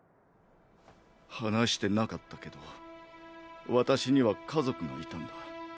話してなかったけど私には家族がいたんだ。